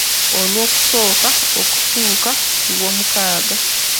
Olwokusooka okutuuuka ku Lwomukaaga